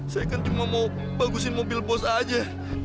saya kan cuma mau bagusin mobil bos aja